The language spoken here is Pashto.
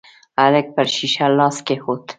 هلک پر شيشه لاس کېښود.